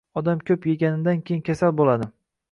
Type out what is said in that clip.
Odam ko‘p yegandan keyin kasal bo‘ladi.